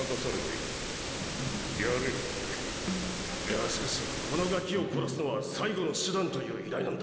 いやしかしこのガキを殺すのは最後の手段という依頼なんだ。